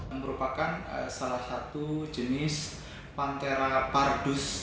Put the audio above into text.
yang merupakan salah satu jenis pantera pardus